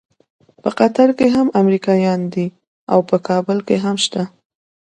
په قطر کې هم امریکایان دي او په کابل کې هم شته.